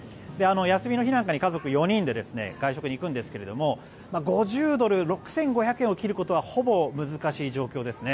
休みの日なんかに家族４人で外食に行くんですが、５０ドル６５００円を切ることはほぼ難しい状況ですね。